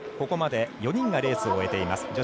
ここまで４人がレースを終えています。